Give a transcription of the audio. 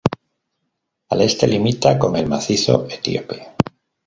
Al este limita con el macizo Etíope.